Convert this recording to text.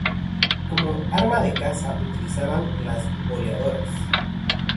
Como arma de caza utilizaban las boleadoras.